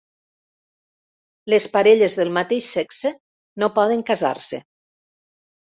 Les parelles del mateix sexe no poden casar-se.